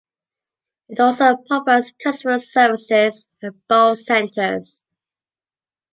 It also provides customer services at both centres.